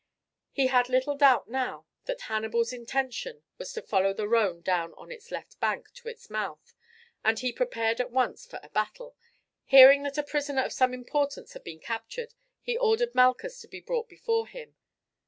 He had little doubt now that Hannibal's intention was to follow the Rhone down on its left bank to its mouth, and he prepared at once for a battle. Hearing that a prisoner of some importance had been captured, he ordered Malchus to be brought before him.